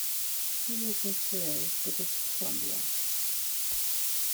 He lives in Surrey, British Columbia.